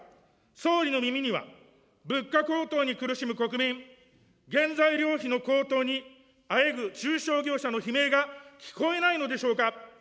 総理の耳には、物価高騰に苦しむ国民、原材料費の高騰にあえぐ中小業者の悲鳴が聞こえないのでしょうか。